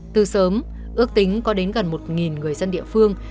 từ sớm ước tính có đến gần một người dân địa phương